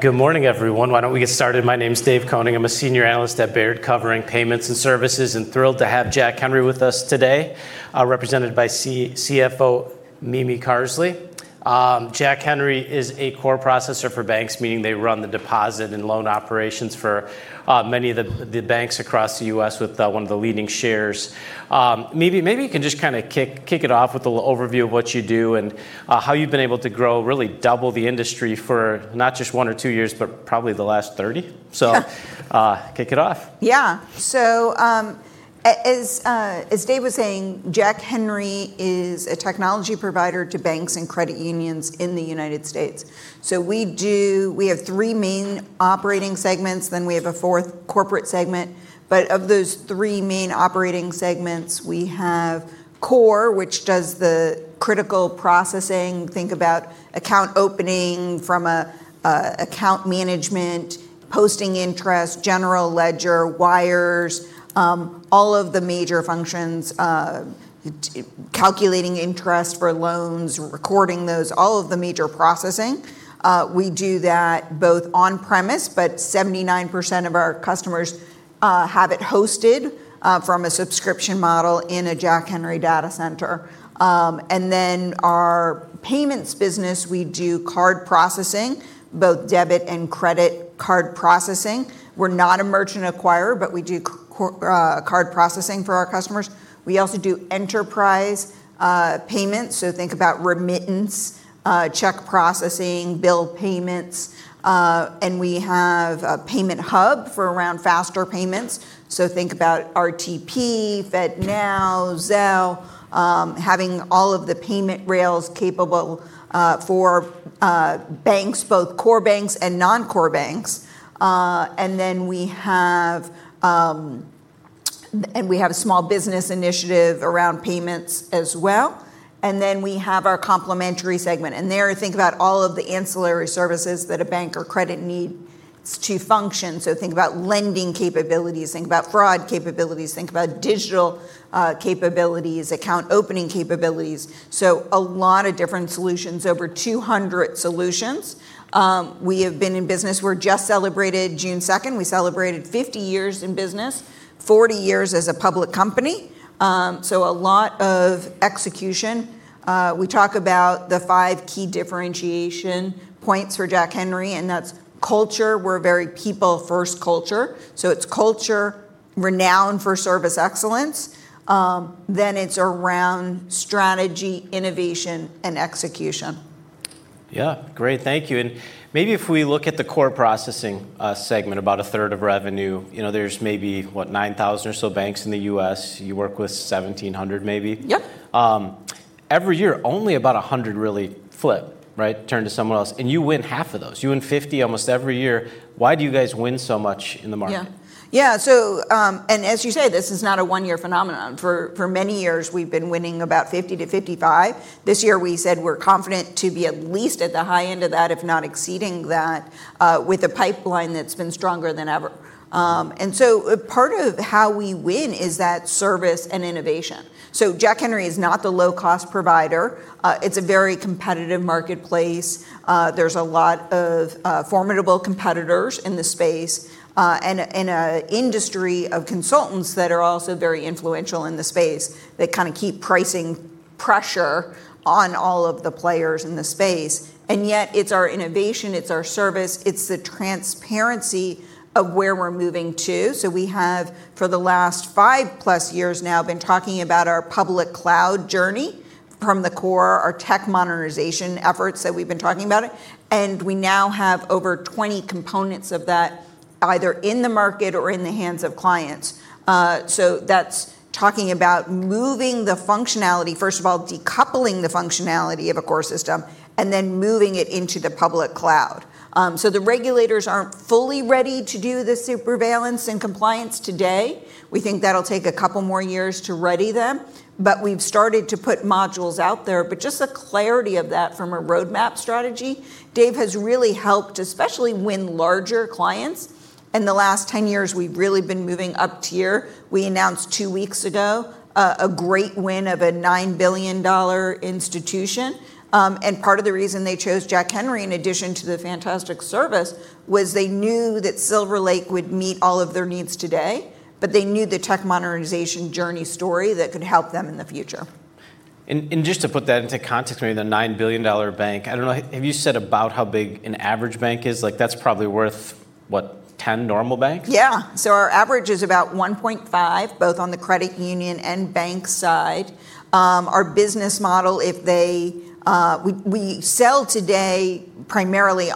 Good morning, everyone. Why don't we get started? My name's Dave Koning. I'm a senior analyst at Baird covering payments and services, and thrilled to have Jack Henry with us today, represented by CFO Mimi Carsley. Jack Henry is a core processor for banks, meaning they run the deposit and loan operations for many of the banks across the U.S. with one of the leading shares. Mimi, maybe you can just kick it off with a little overview of what you do and how you've been able to grow, really double the industry for not just one or two years, but probably the last 30. Kick it off. Yeah. As Dave was saying, Jack Henry is a technology provider to banks and credit unions in the U.S. We have three main operating segments, we have a fourth corporate segment. Of those three main operating segments, we have Core, which does the critical processing. Think about account opening from an account management, posting interest, general ledger, wires, all of the major functions, calculating interest for loans, recording those, all of the major processing. We do that both on-premise, 79% of our customers have it hosted from a subscription model in a Jack Henry data center. Our Payments business, we do card processing, both debit and credit card processing. We're not a merchant acquirer; we do card processing for our customers. We also do enterprise payments, think about remittance, check processing, bill payments. We have a payment hub for around faster payments. Think about RTP, FedNow, Zelle, having all of the payment rails capable for banks, both core banks and non-core banks. We have a small business initiative around payments as well. We have our complementary segment. There, think about all of the ancillary services that a bank or credit need to function. Think about lending capabilities, think about fraud capabilities, think about digital capabilities, account opening capabilities. A lot of different solutions, over 200 solutions. We have been in business. We just celebrated June 2nd. We celebrated 50 years in business, 40 years as a public company. A lot of execution. We talk about the five key differentiation points for Jack Henry, that's culture. We're a very people-first culture. It's culture, renowned for service excellence. It's around strategy, innovation, and execution. Yeah. Great. Thank you. Maybe if we look at the core processing segment, about a third of revenue. There's maybe, what, 9,000 or so banks in the U.S. You work with 1,700 maybe. Yep. Every year, only about 100 really flip, right? Turn to someone else. You win half of those. You win 50 almost every year. Why do you guys win so much in the market? Yeah. As you say, this is not a one-year phenomenon. For many years, we've been winning about 50-55. This year, we said we're confident to be at least at the high end of that, if not exceeding that, with a pipeline that's been stronger than ever. Part of how we win is that service and innovation. Jack Henry is not the low-cost provider. It's a very competitive marketplace. There's a lot of formidable competitors in the space, and an industry of consultants that are also very influential in the space that kind of keep pricing pressure on all of the players in the space. Yet it's our innovation, it's our service, it's the transparency of where we're moving to. We have, for the last five plus years now, been talking about our public cloud journey from the core, our tech modernization efforts that we've been talking about. We now have over 20 components of that, either in the market or in the hands of clients. That's talking about moving the functionality. First of all, decoupling the functionality of a core system and then moving it into the public cloud. The regulators aren't fully ready to do the surveillance and compliance today. We think that'll take a couple more years to ready them. We've started to put modules out there. Just the clarity of that from a roadmap strategy, Dave, has really helped, especially win larger clients. In the last 10 years, we've really been moving up-tier. We announced two weeks ago a great win of a $9 billion institution. Part of the reason they chose Jack Henry, in addition to the fantastic service, was they knew that SilverLake would meet all of their needs today, but they knew the tech modernization journey story that could help them in the future. Just to put that into context, maybe the $9 billion bank. I don't know. Have you said about how big an average bank is? That's probably worth, what, 10 normal banks? Our average is about $1.5 billion, both on the credit union and bank side. Our business model, we sell today primarily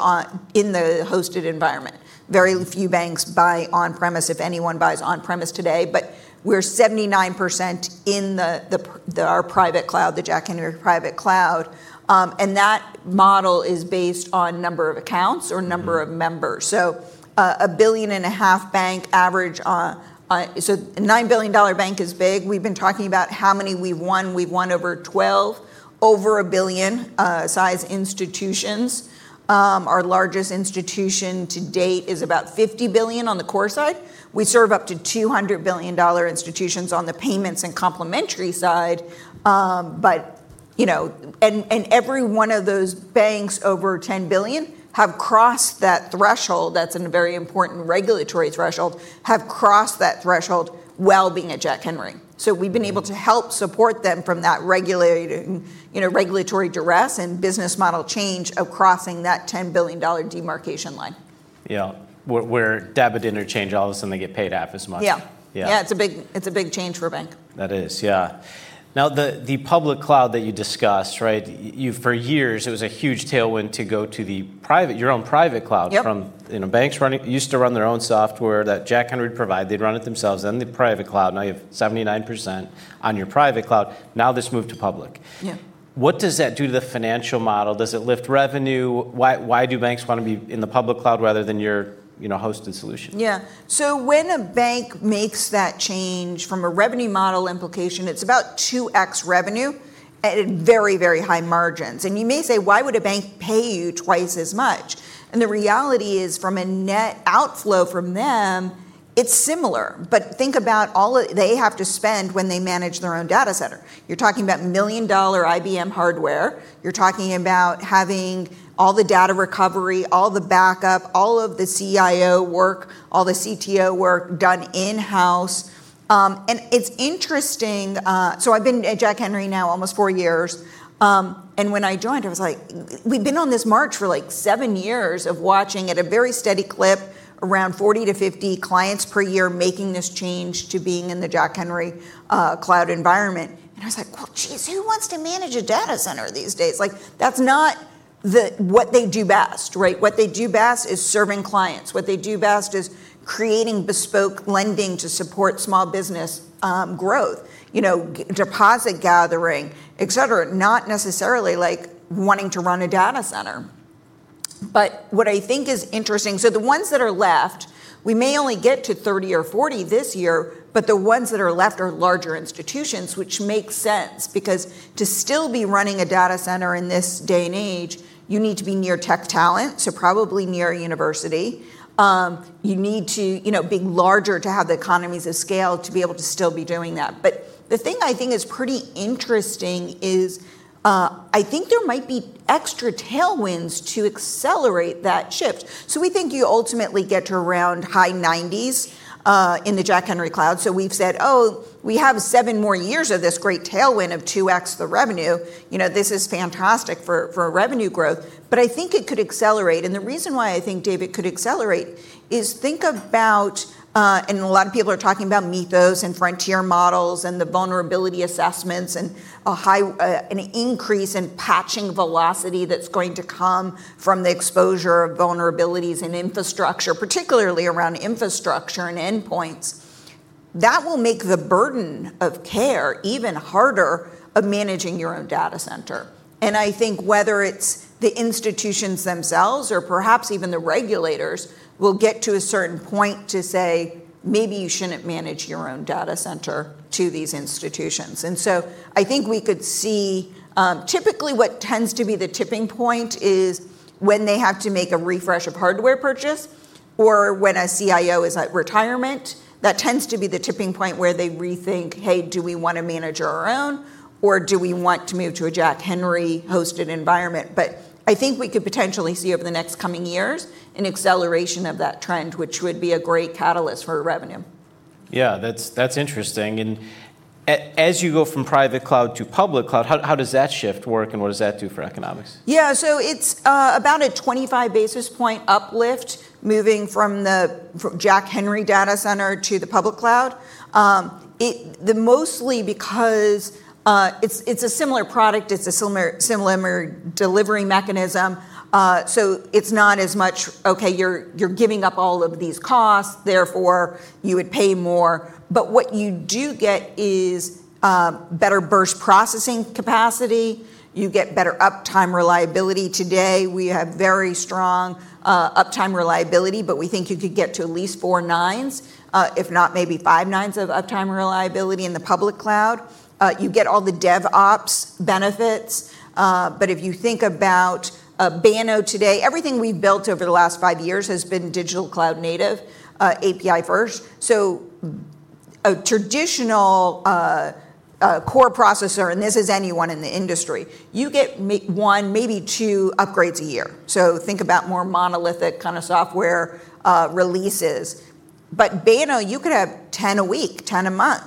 in the hosted environment. Very few banks buy on-premise, if anyone buys on-premise today. We're 79% in our private cloud, the Jack Henry private cloud. That model is based on number of accounts or number of members. A $1.5 billion bank average. A $9 billion bank is big. We've been talking about how many we've won. We've won over 12 over $1 billion size institutions. Our largest institution to date is about $50 billion on the core side. We serve up to $200 billion institutions on the payments and complementary side. Every one of those banks over $10 billion have crossed that threshold, that's a very important regulatory threshold, have crossed that threshold while being at Jack Henry. We've been able to help support them from that regulatory duress and business model change of crossing that $10 billion demarcation line. Where debit, interchange, all of a sudden they get paid half as much. Yeah. Yeah. Yeah, it's a big change for a bank. That is, yeah. The public cloud that you discussed, right? For years, it was a huge tailwind to go to your own private cloud. Yep from banks used to run their own software that Jack Henry would provide. They'd run it themselves on the private cloud. Now you have 79% on your private cloud. Now this moved to public. Yeah. What does that do to the financial model? Does it lift revenue? Why do banks want to be in the public cloud rather than your hosted solution? When a bank makes that change from a revenue model implication, it's about 2x revenue at very, very high margins. You may say, "Why would a bank pay you twice as much?" The reality is, from a net outflow from them, it's similar. Think about all they have to spend when they manage their own data center. You're talking about $1 million IBM hardware. You're talking about having all the data recovery, all the backup, all of the CIO work, all the CTO work done in-house. It's interesting, so I've been at Jack Henry now almost four years. When I joined, I was like, we've been on this march for seven years of watching at a very steady clip, around 40 to 50 clients per year making this change to being in the Jack Henry cloud environment. I was like, "Well, geez, who wants to manage a data center these days?" That's not what they do best, right? What they do best is serving clients. What they do best is creating bespoke lending to support small business growth, deposit gathering, et cetera. Not necessarily wanting to run a data center. What I think is interesting, so the ones that are left, we may only get to 30 or 40 this year, but the ones that are left are larger institutions, which makes sense because to still be running a data center in this day and age, you need to be near tech talent, so probably near a university. You need to be larger to have the economies of scale to be able to still be doing that. The thing I think is pretty interesting is, I think there might be extra tailwinds to accelerate that shift. We think you ultimately get to around high 90s in the Jack Henry cloud. We've said, "Oh, we have seven more years of this great tailwind of 2x the revenue. This is fantastic for revenue growth." I think it could accelerate, and the reason why I think, David, it could accelerate is think about, and a lot of people are talking about Mythos and Frontier models and the vulnerability assessments and an increase in patching velocity that's going to come from the exposure of vulnerabilities in infrastructure, particularly around infrastructure and endpoints. That will make the burden of care even harder of managing your own data center. I think whether it's the institutions themselves or perhaps even the regulators will get to a certain point to say, "Maybe you shouldn't manage your own data center," to these institutions. I think we could see, typically what tends to be the tipping point is when they have to make a refresh of hardware purchase or when a CIO is at retirement. That tends to be the tipping point where they rethink, "Hey, do we want to manage our own or do we want to move to a Jack Henry-hosted environment?" I think we could potentially see over the next coming years an acceleration of that trend, which would be a great catalyst for revenue. Yeah, that's interesting. As you go from private cloud to public cloud, how does that shift work and what does that do for economics? Yeah. It's about a 25 basis point uplift moving from Jack Henry data center to the public cloud. Mostly because it's a similar product, it's a similar delivering mechanism, so it's not as much, okay, you're giving up all of these costs, therefore you would pay more. What you do get is better burst processing capacity. You get better uptime reliability. Today, we have very strong uptime reliability, but we think you could get to at least four nines, if not maybe five nines of uptime reliability in the public cloud. You get all the DevOps benefits. If you think about Banno today, everything we've built over the last five years has been digital cloud-native, API first. A traditional core processor, and this is anyone in the industry, you get one, maybe two upgrades a year. Think about more monolithic kind of software releases. Banno, you could have 10 a week, 10 a month.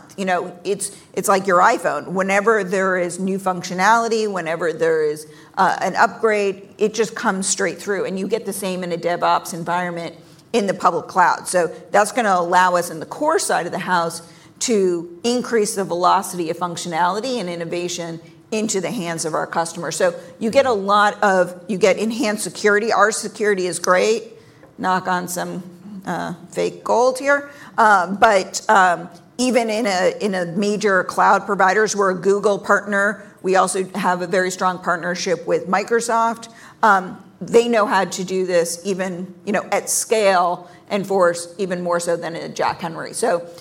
It's like your iPhone. Whenever there is new functionality, whenever there is an upgrade, it just comes straight through, and you get the same in a DevOps environment in the public cloud. That's going to allow us in the core side of the house to increase the velocity of functionality and innovation into the hands of our customers. You get enhanced security. Our security is great. Knock on some fake gold here. Even in a major cloud providers, we're a Google partner. We also have a very strong partnership with Microsoft. They know how to do this even at scale and force even more so than at Jack Henry.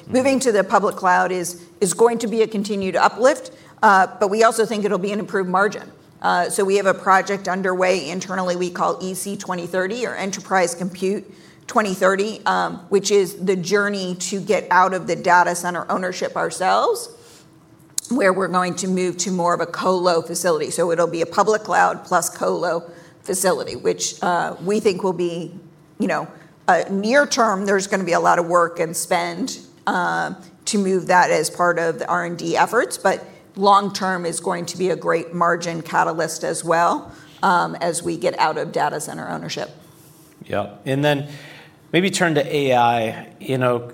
Moving to the public cloud is going to be a continued uplift, but we also think it'll be an improved margin. We have a project underway internally we call EC2030 or Enterprise Compute 2030, which is the journey to get out of the data center ownership ourselves where we're going to move to more of a colo facility. It'll be a public cloud plus colo facility, which we think will be, near-term, there's going to be a lot of work and spend to move that as part of the R&D efforts. Long-term, it's going to be a great margin catalyst as well, as we get out of data center ownership. Yeah. Maybe turn to AI.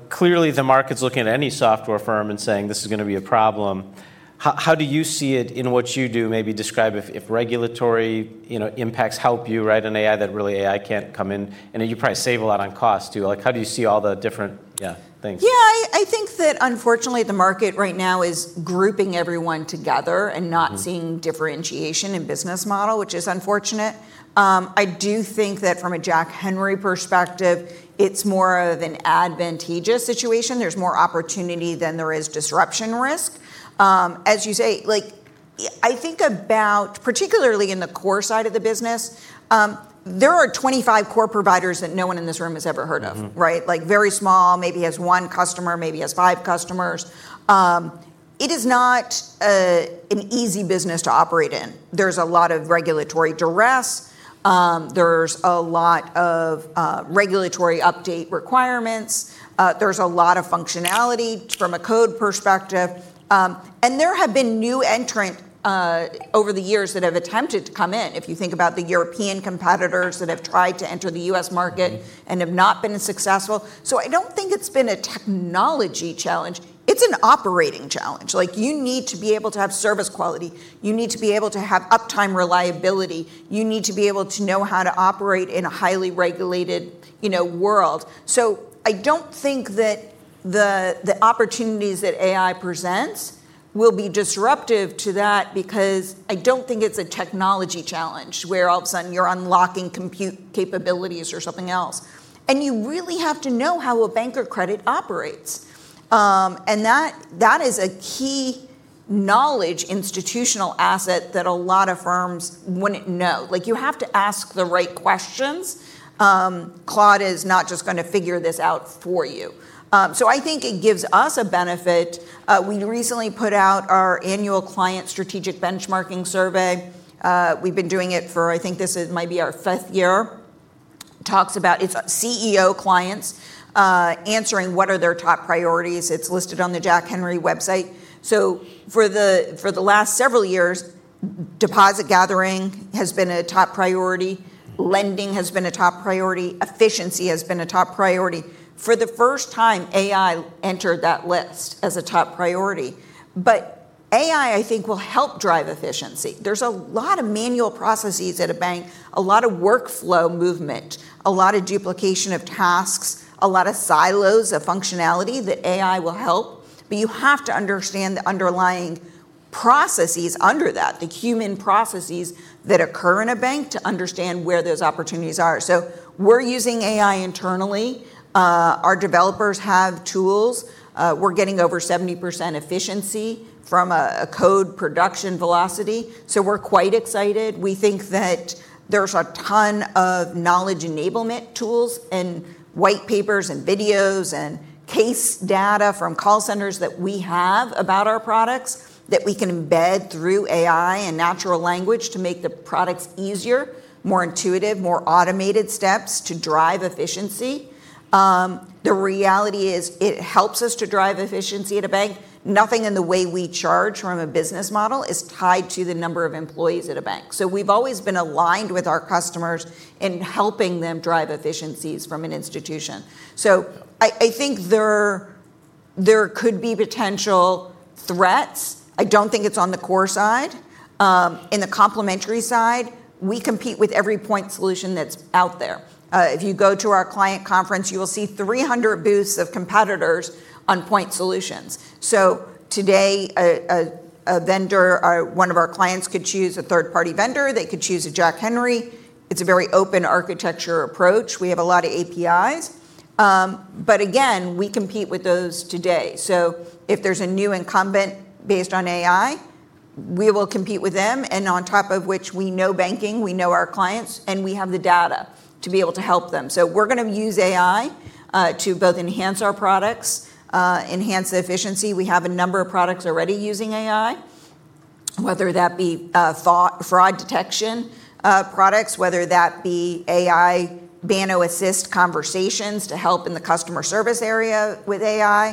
Clearly the market's looking at any software firm and saying this is going to be a problem. How do you see it in what you do? Maybe describe if regulatory impacts help you. An AI that really AI can't come in, and you probably save a lot on cost too. How do you see all the different things? Yeah, I think that unfortunately, the market right now is grouping everyone together and not seeing differentiation in business model, which is unfortunate. I do think that from a Jack Henry perspective; it's more of an advantageous situation. There's more opportunity than there is disruption risk. As you say, I think about, particularly in the core side of the business, there are 25 core providers that no one in this room has ever heard of. Very small, maybe has one customer, maybe has five customers. It is not an easy business to operate in. There's a lot of regulatory duress. There's a lot of regulatory update requirements. There's a lot of functionality from a code perspective. There have been new entrants over the years that have attempted to come in. If you think about the European competitors that have tried to enter the U.S. market and have not been successful. I don't think it's been a technology challenge; it's an operating challenge. You need to be able to have service quality. You need to be able to have uptime reliability. You need to be able to know how to operate in a highly regulated world. I don't think that the opportunities that AI presents will be disruptive to that because I don't think it's a technology challenge, where all of a sudden you're unlocking compute capabilities or something else. You really have to know how a bank or credit operates. That is a key knowledge institutional asset that a lot of firms wouldn't know. You have to ask the right questions. Claude is not just going to figure this out for you. I think it gives us a benefit. We recently put out our annual client strategic benchmarking survey. We've been doing it for, I think this is maybe our fifth year. Talks about its CEO clients answering what are their top priorities. It's listed on the Jack Henry website. For the last several years, deposit gathering has been a top priority. Lending has been a top priority. Efficiency has been a top priority. For the first time, AI entered that list as a top priority. AI, I think, will help drive efficiency. There's a lot of manual processes at a bank, a lot of workflow movement, a lot of duplication of tasks, a lot of silos of functionality that AI will help. You have to understand the underlying processes under that, the human processes that occur in a bank to understand where those opportunities are. We're using AI internally. Our developers have tools. We're getting over 70% efficiency from a code production velocity. We're quite excited. We think that there's a ton of knowledge enablement tools and white papers and videos and case data from call centers that we have about our products that we can embed through AI and natural language to make the products easier, more intuitive, more automated steps to drive efficiency. The reality is it helps us to drive efficiency at a bank. Nothing in the way we charge from a business model is tied to the number of employees at a bank. We've always been aligned with our customers in helping them drive efficiencies from an institution. I think there could be potential threats. I don't think it's on the core side. In the complementary side, we compete with every point solution that's out there. If you go to our client conference, you will see 300 booths of competitors on point solutions. Today, one of our clients could choose a third-party vendor. They could choose a Jack Henry. It's a very open architecture approach. We have a lot of APIs. Again, we compete with those today. If there's a new incumbent based on AI, we will compete with them, and on top of which we know banking, we know our clients, and we have the data to be able to help them. We're going to use AI to both enhance our products, enhance the efficiency. We have a number of products already using AI, whether that be fraud detection products, whether that be AI Banno Assist conversations to help in the customer service area with AI,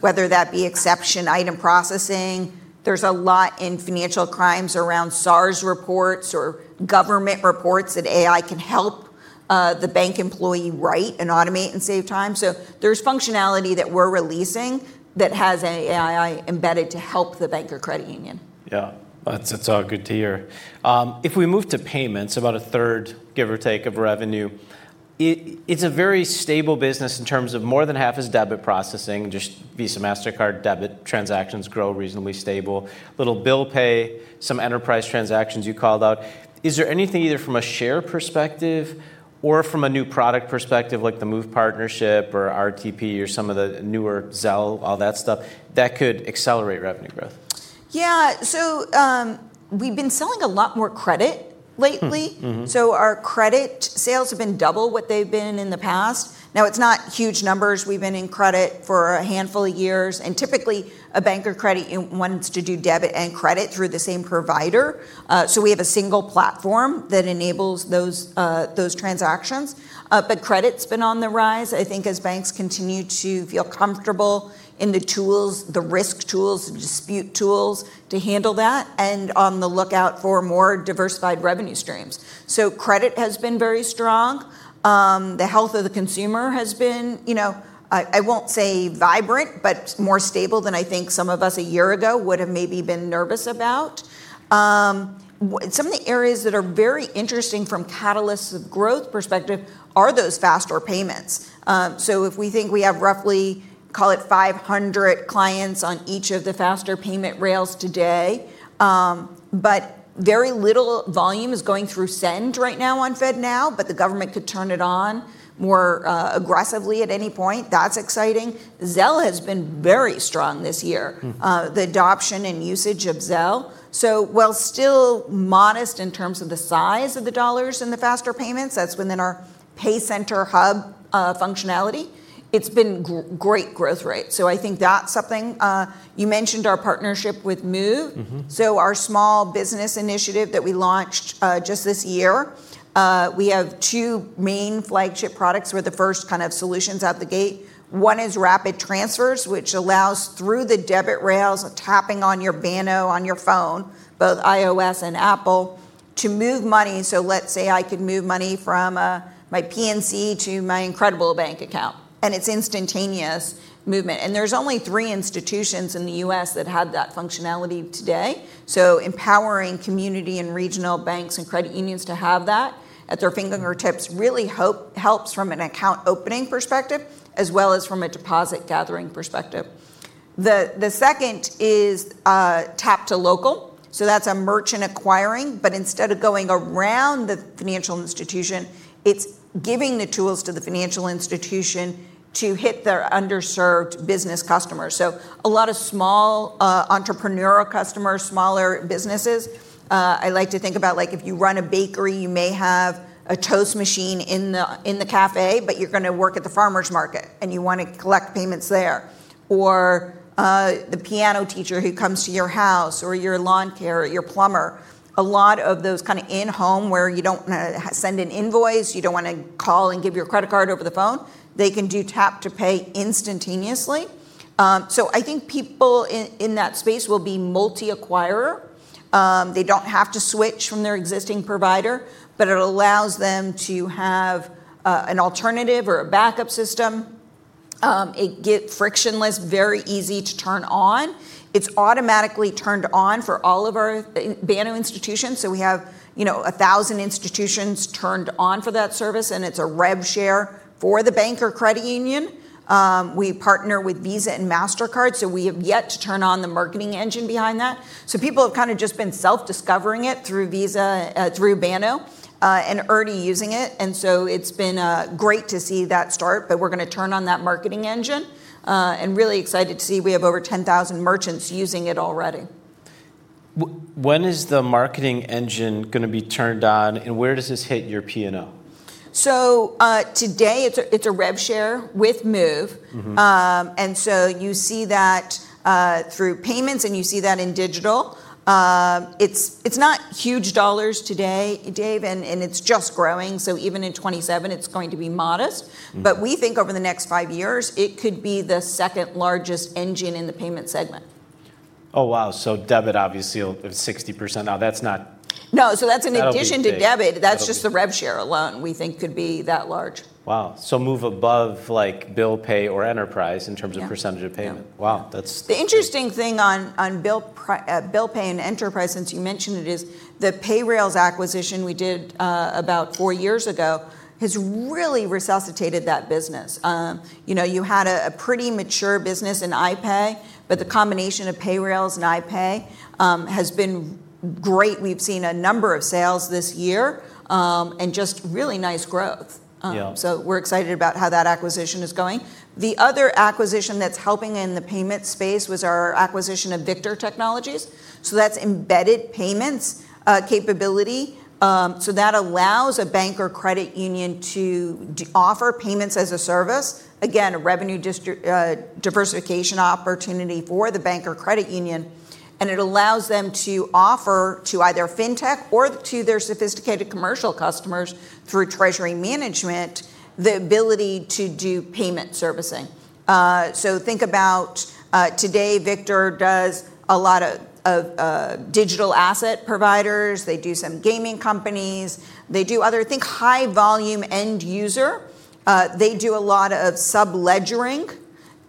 whether that be exception item processing. There's a lot in financial crimes around SARs reports or government reports that AI can help the bank employee write and automate and save time. There's functionality that we're releasing that has AI embedded to help the bank or credit union. Yeah. That's all good to hear. If we move to payments, about a third, give or take, of revenue, it's a very stable business in terms of more than half is debit processing, just Visa, Mastercard debit transactions grow reasonably stable. Little bill pay, some enterprise transactions you called out. Is there anything either from a share perspective or from a new product perspective like the Moov partnership or RTP or some of the newer Zelle, all that stuff, that could accelerate revenue growth? Yeah. We've been selling a lot more credit lately. Our credit sales have been double what they've been in the past. It's not huge numbers. We've been in credit for a handful of years, and typically a bank or credit wants to do debit and credit through the same provider. We have a single platform that enables those transactions. Credit's been on the rise, I think as banks continue to feel comfortable in the tools, the risk tools, the dispute tools to handle that, and on the lookout for more diversified revenue streams. Credit has been very strong. The health of the consumer has been, I won't say vibrant, but more stable than I think some of us a year ago would've maybe been nervous about. Some of the areas that are very interesting from catalyst growth perspective are those faster payments. If we think we have roughly call it 500 clients on each of the faster payment rails today. Very little volume is going through send right now on FedNow, but the government could turn it on more aggressively at any point. That's exciting. Zelle has been very strong this year. The adoption and usage of Zelle. While still modest in terms of the size of the dollars in the faster payments, that's within our JHA PayCenter hub functionality. It's been great growth rate. I think that's something. You mentioned our partnership with Moov. Our Small Business Initiative that we launched just this year, we have two main flagship products were the first kind of solutions out the gate. One is Rapid Transfers, which allows through the debit rails a tapping on your Banno on your phone, both iOS and Apple to move money. Let's say I could move money from my PNC to my IncredibleBank account, and it's instantaneous movement. There's only three institutions in the U.S. that have that functionality today. Empowering community and regional banks and credit unions to have that at their fingertips really helps from an account opening perspective as well as from a deposit gathering perspective. The second is Tap2Local. That's a merchant acquiring, but instead of going around the financial institution, it's giving the tools to the financial institution to hit their underserved business customers. A lot of small entrepreneurial customers, smaller businesses. I like to think about like if you run a bakery, you may have a Toast machine in the cafe, but you're going to work at the farmer's market and you want to collect payments there. The piano teacher who comes to your house, or your lawn care, your plumber. A lot of those kind of in-home where you don't want to send an invoice, you don't want to call and give your credit card over the phone. They can do tap to pay instantaneously. I think people in that space will be multi acquirer. They don't have to switch from their existing provider, but it allows them to have an alternative or a backup system. It get frictionless, very easy to turn on. It's automatically turned on for all of our Banno institutions. We have 1,000 institutions turned on for that service, and it's a rev share for the bank or credit union. We partner with Visa and Mastercard. We have yet to turn on the marketing engine behind that. People have kind of just been self-discovering it through Banno and already using it. It's been great to see that start. We're going to turn on that marketing engine, and really excited to see we have over 10,000 merchants using it already. When is the marketing engine going to be turned on, and where does this hit your P&L? Today it's a rev share with Moov. You see that through payments and you see that in digital. It's not huge dollars today, Dave, and it's just growing. Even in 2027 it's going to be modest. We think over the next five years it could be the second largest engine in the payment segment. Oh, wow. Debit obviously will, 60%. No. That's an addition to debit. That'll be big. That's just the rev share alone we think could be that large. Wow. Moov above like bill pay or enterprise in terms of % of payment. Yeah. Wow. The interesting thing on bill pay and enterprise, since you mentioned it, is the Payrailz acquisition we did about four years ago has really resuscitated that business. You had a pretty mature business in iPay, but the combination of Payrailz and iPay has been great. We've seen a number of sales this year, and just really nice growth. Yeah. We're excited about how that acquisition is going. The other acquisition that's helping in the payment space was our acquisition of Victor Technologies. That's embedded payments capability. That allows a bank or credit union to offer payments as a service. Again, a revenue diversification opportunity for the bank or credit union. It allows them to offer to either fintech or to their sophisticated commercial customers through treasury management, the ability to do payment servicing. Think about today Victor does a lot of digital asset providers. They do some gaming companies. They do other, think high volume end user. They do a lot of sub ledgering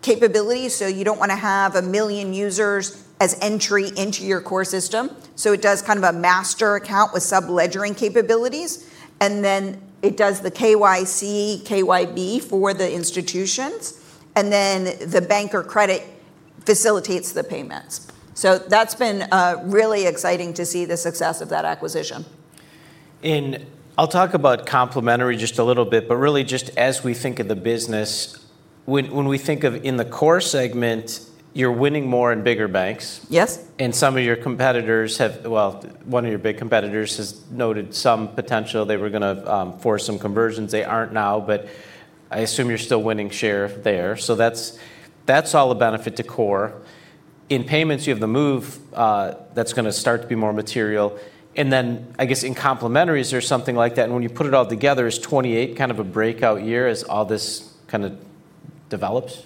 capabilities. You don't want to have 1 million users as entry into your core system. It does kind of a master account with sub ledgering capabilities, and then it does the KYC, KYB for the institutions, and then the bank or credit facilitates the payments. That's been really exciting to see the success of that acquisition. I'll talk about complementary just a little bit, but really just as we think of the business, when we think of in the core segment, you're winning more in bigger banks. Yes. Some of your competitors have Well, one of your big competitors has noted some potential. They were going to force some conversions. They aren't now, but I assume you're still winning share there. So that's all a benefit to core. In payments, you have the Moov that's going to start to be more material. Then I guess in complementaries or something like that, and when you put it all together, is 2028 kind of a breakout year as all this kind of develops?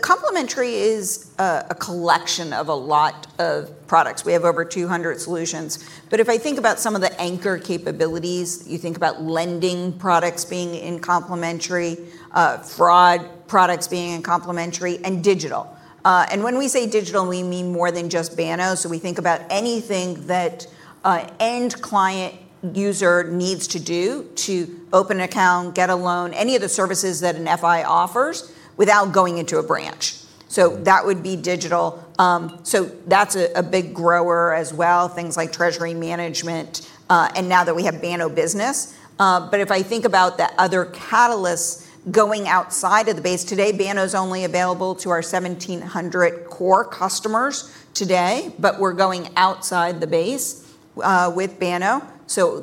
Complementary is a collection of a lot of products. We have over 200 solutions. If I think about some of the anchor capabilities, you think about lending products being in complementary, fraud products being in complementary and digital. When we say digital, we mean more than just Banno. We think about anything that an end client user needs to do to open an account, get a loan, any of the services that an FI offers without going into a branch. That would be digital. That's a big grower as well, things like treasury management, and now that we have Banno Business. If I think about the other catalysts going outside of the base, today Banno's only available to our 1,700 core customers today. We're going outside the base with Banno.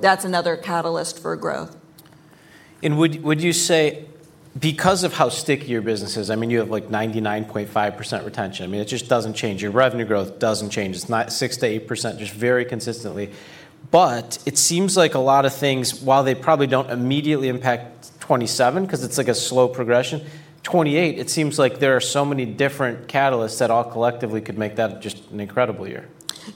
That's another catalyst for growth. Would you say because of how sticky your business is, I mean, you have 99.5% retention. I mean, it just doesn't change. Your revenue growth doesn't change. It's not 6%-8%, just very consistently. It seems like a lot of things, while they probably don't immediately impact 2027, because it's like a slow progression, 2028, it seems like there are so many different catalysts that all collectively could make that just an incredible year.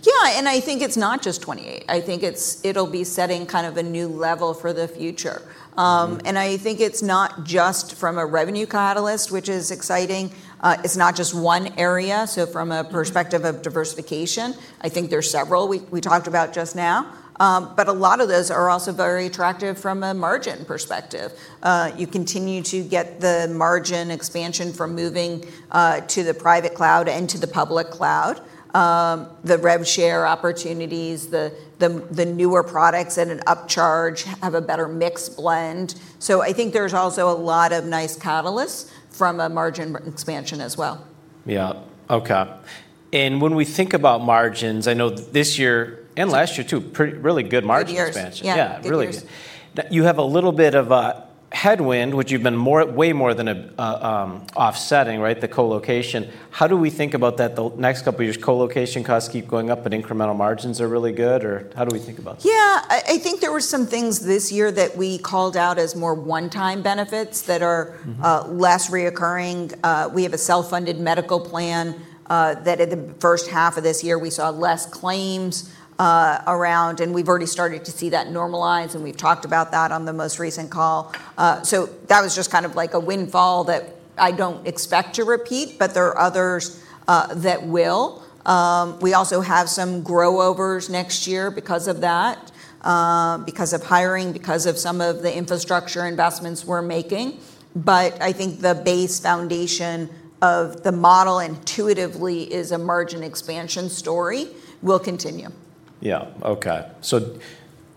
Yeah, I think it's not just 2028. I think it'll be setting kind of a new level for the future. I think it's not just from a revenue catalyst, which is exciting. It's not just one area. From a perspective of diversification, I think there's several we talked about just now. A lot of those are also very attractive from a margin perspective. You continue to get the margin expansion from moving to the private cloud and to the public cloud. The rev share opportunities, the newer products at an upcharge have a better mix blend. I think there's also a lot of nice catalysts from a margin expansion as well. Yeah. Okay. When we think about margins, I know this year and last year too, really good margin expansion. Good years. Yeah. Good years. Yeah. Really. You have a little bit of a headwind, which you've been way more than offsetting, right? The colocation. How do we think about that the next couple of years? Colocation costs keep going up, but incremental margins are really good, or how do we think about that? Yeah. I think there were some things this year that we called out as more one-time benefits that are. less recurring. We have a self-funded medical plan that at the first half of this year we saw less claims around, and we've already started to see that normalize, and we've talked about that on the most recent call. That was just kind of like a windfall that I don't expect to repeat, but there are others that will. We also have some grow-overs next year because of that, because of hiring, because of some of the infrastructure investments we're making. I think the base foundation of the model intuitively is a margin expansion story will continue. Yeah. Okay.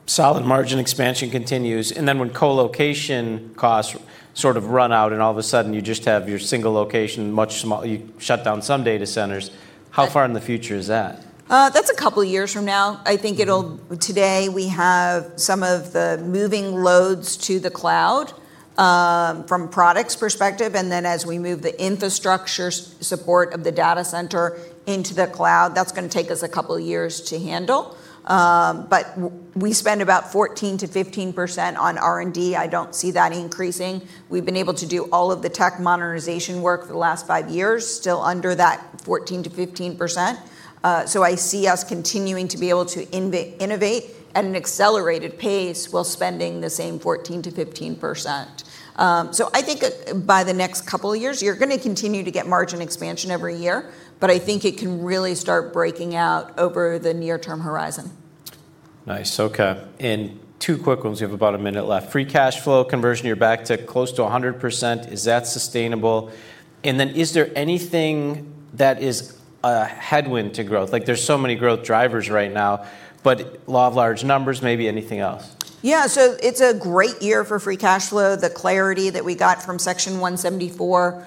Solid margin expansion continues, and then when co-location costs sort of run out, and all of a sudden you just have your single location much small, you shut down some data centers. Yeah How far in the future is that? That's a couple of years from now. I think today we have some of the moving loads to the cloud from products perspective, and then as we move the infrastructure support of the data center into the cloud, that's going to take us a couple of years to handle. We spend about 14% to 15% on R&D. I don't see that increasing. We've been able to do all of the tech modernization work for the last five years, still under that 14% to 15%. I see us continuing to be able to innovate at an accelerated pace while spending the same 14% to 15%. I think by the next couple of years, you're going to continue to get margin expansion every year, but I think it can really start breaking out over the near-term horizon. Nice. Okay. Two quick ones. We have about a minute left. Free cash flow conversion, you're back to close to 100%. Is that sustainable? Is there anything that is a headwind to growth? Like there's so many growth drivers right now, but law of large numbers, maybe anything else? Yeah. It's a great year for free cash flow. The clarity that we got from Section 174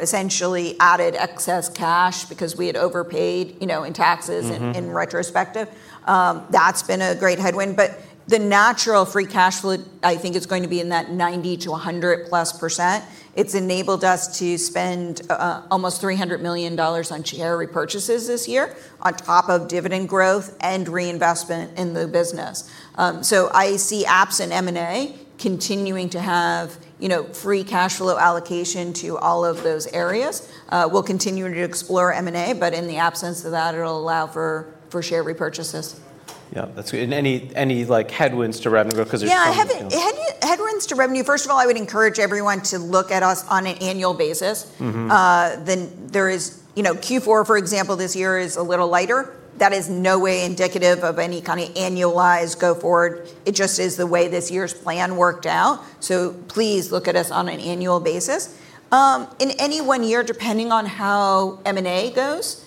essentially added excess cash because we had overpaid in taxes. in retrospective. That's been a great headwind. The natural free cash flow, I think, is going to be in that 90% to 100-plus%. It's enabled us to spend almost $300 million on share repurchases this year on top of dividend growth and reinvestment in the business. I see apps and M&A continuing to have free cash flow allocation to all of those areas. We'll continue to explore M&A, but in the absence of that, it'll allow for share repurchases. Yeah. That's good. Any headwinds to revenue growth? Yeah. Headwinds to revenue, first of all, I would encourage everyone to look at us on an annual basis. There is Q4, for example, this year is a little lighter. That is no way indicative of any kind of annualized go forward. It just is the way this year's plan worked out. Please look at us on an annual basis. In any one year, depending on how M&A goes.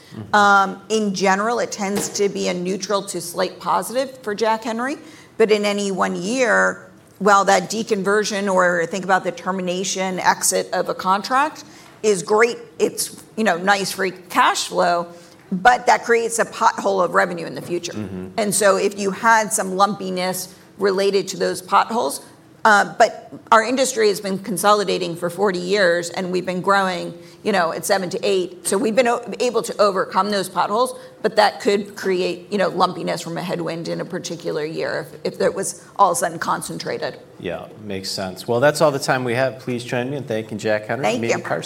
In general, it tends to be a neutral to slight positive for Jack Henry. In any one year, while that deconversion or think about the termination exit of a contract is great, it's nice free cash flow, but that creates a pothole of revenue in the future. If you had some lumpiness related to those potholes, but our industry has been consolidating for 40 years, and we've been growing at 7%-8%. We've been able to overcome those potholes, but that could create lumpiness from a headwind in a particular year if it was all of a sudden concentrated. Yeah. Makes sense. Well, that's all the time we have. Please join me in thanking Jack Henry- Thank you.